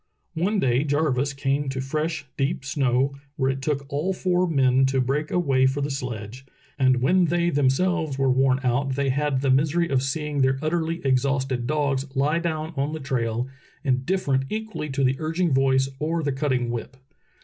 One day Jarvis came to fresh, deep snow, where it took all four men to break a way for the sledge, and when they themselves Relief of American Whalers at Point Barrow 281 were worn out they had the misery of seeing their utterly exhausted dogs lie down on the trail, indiffer ent equally to the urging voice or the cutting whip.